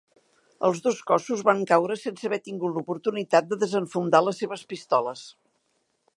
Els dos cossos van caure sense haver tingut l'oportunitat de desenfundar les seves pistoles.